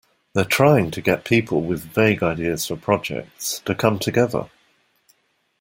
They're trying to get people with vague ideas for projects to come together.